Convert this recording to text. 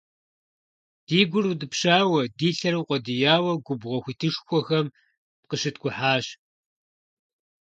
Ди гур утӀыпщауэ, ди лъэр укъуэдияуэ губгъуэ хуитышхуэхэм къыщыткӀухьащ.